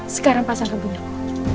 sekarang pasangkan bunyaku